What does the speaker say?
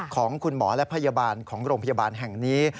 ของคุณหมอและพยาบาลของโรงพยาบาลแห่งนี้